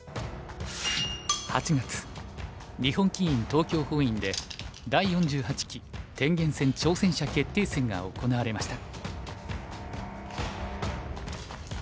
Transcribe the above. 東京本院で第４８期天元戦挑戦者決定戦が行われました。